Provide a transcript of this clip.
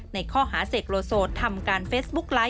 ในข้อหาเสกโลโซทำการเฟซบุ๊กไลค